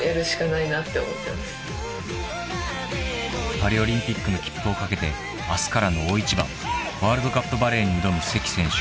［パリオリンピックの切符をかけて明日からの大一番ワールドカップバレーに挑む関選手］